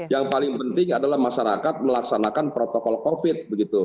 yang paling penting adalah masyarakat melaksanakan protokol covid begitu